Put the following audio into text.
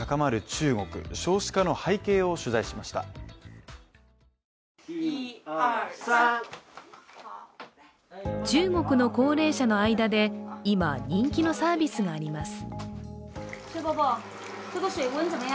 中国の高齢者の間で、今人気のサービスがあります。